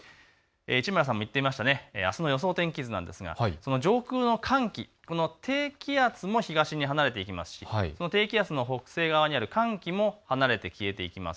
市村さんも言っていましたね、あすの予想天気図、上空の寒気、低気圧も東に離れていますし低気圧の北西側にある寒気も離れて消えていきます。